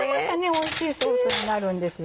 おいしいソースになるんですよ。